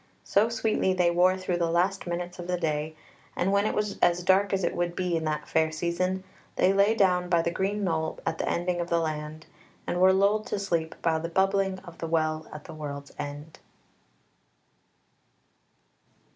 So sweetly they wore through the last minutes of the day, and when it was as dark as it would be in that fair season, they lay down by the green knoll at the ending of the land, and were lulled to sleep by the bubbling of the Well at the World's End.